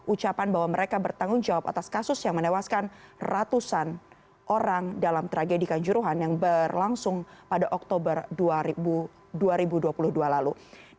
ucapan bahwa mereka bertanggung jawab atas kasus yang menewaskan ratusan orang dalam tragedi kanjuruhan yang berlangsung pada oktober dua ribu dua puluh dua lalu